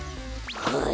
はい！